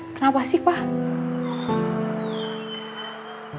kenapa sih pak